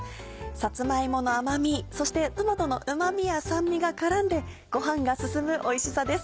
さつま芋の甘みそしてトマトのうまみや酸味が絡んでご飯が進むおいしさです。